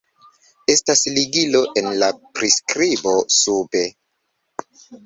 Estas ligilo en la priskribo sube.